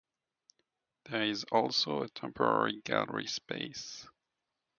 There is also a temporary gallery space.